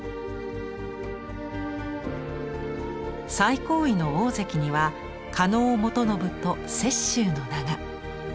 最高位の「大関」には狩野元信と雪舟の名が。